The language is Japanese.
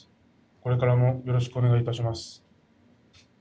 これからもよろしくお願いいたします。